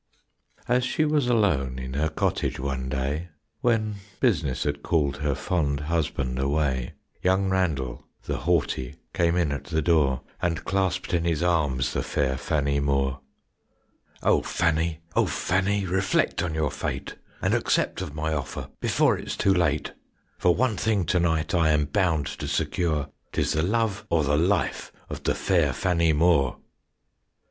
As she was alone In her cottage one day, When business had called Her fond husband away, Young Randell, the haughty, Came in at the door And clasped in his arms The fair Fannie Moore. "O Fannie, O Fannie, Reflect on your fate And accept of my offer Before it's too late; For one thing to night I am bound to secure, 'Tis the love or the life Of the fair Fannie Moore."